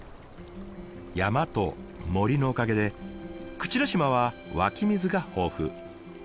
山と森のおかげで口之島は湧き水が豊富。